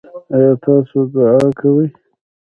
ایا تاسو دعا کوئ؟